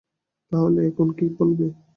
তাহলে, তাকে এখন কী বলবে?